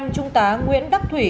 trung tá nguyễn đắc thủy